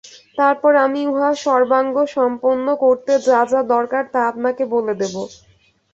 তারপর আমি উহা সর্বাঙ্গসম্পন্ন করতে যা যা দরকার, তা আপনাকে বলে দেব।